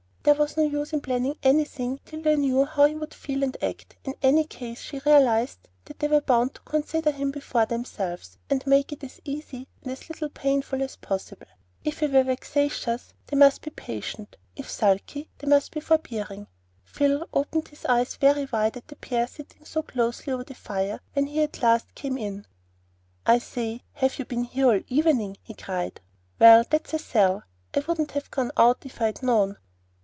There was no use in planning anything till they knew how he would feel and act. In any case, she realized that they were bound to consider him before themselves, and make it as easy and as little painful as possible. If he were vexatious, they must be patient; if sulky, they must be forbearing. Phil opened his eyes very wide at the pair sitting so coseyly over the fire when at last he came in. "I say, have you been here all the evening?" he cried. "Well, that's a sell! I wouldn't have gone out if I'd known."